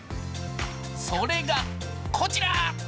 それがこちら。